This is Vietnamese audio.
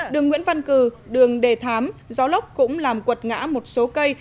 đường nguyễn văn cử đường đề thám gió lốc cũng làm quật ngã một số cây